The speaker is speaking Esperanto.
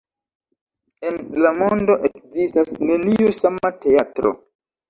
En la mondo ekzistas neniu sama teatro.